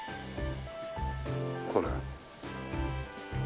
これ。